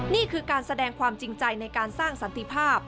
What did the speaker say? นี่คือการแสดงความจริงใจในการสร้างสันติภาพ